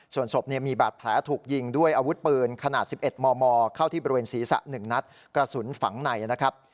ส่วนศพมีบาดแผลถูกยิงด้วยอาวุธปืนขนาด๑๑มมเข้าที่บริเวณศีรษะ๑นัดกระสุนฝังในนะครับ